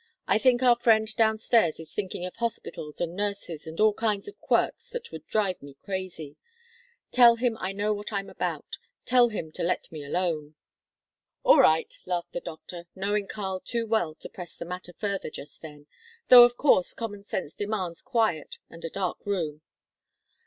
I think our friend down stairs is thinking of hospitals and nurses and all kinds of quirks that would drive me crazy. Tell him I know what I'm about. Tell him to let me alone!" "All right," laughed the doctor, knowing Karl too well to press the matter further just then, "though, of course, common sense demands quiet and a dark room."